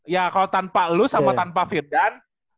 ya kalo tanpa lu sama tanpa vildan